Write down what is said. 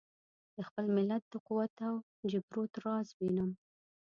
د خپل ملت د قوت او جبروت راز وینم.